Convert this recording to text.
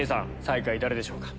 最下位誰でしょうか？